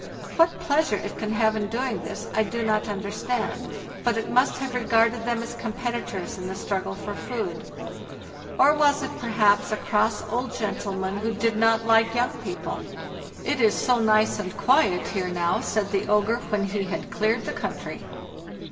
What pleasure it can have in doing this I do not understand, but it must have regarded them as competitors in the struggle for food. Or was it, perhaps, a cross old gentleman who did not like young people? "It is so nice and quiet here now,' said the ogre, when he had cleared the country.